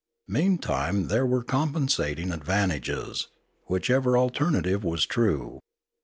Meantime there were compensating advantages, whichever alternative was true.